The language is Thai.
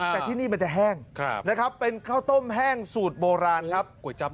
แต่ที่นี่มันจะแห้งนะครับเป็นข้าวต้มแห้งสูตรโบราณครับ